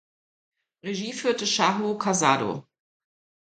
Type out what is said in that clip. Regie führte Shaho Casado.